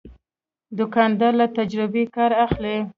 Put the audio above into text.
دوکاندار له تجربې کار اخلي.